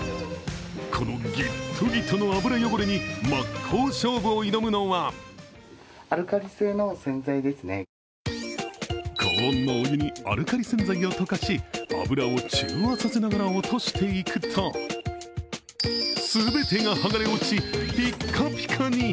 このギットギトの油汚れに真っ向勝負を挑むのは高温のお湯にアルカリ洗剤を溶かし油を中和させながら落としていくと、全てが剥がれ落ち、ピッカピカに。